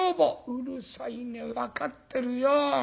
「うるさいね分かってるよ。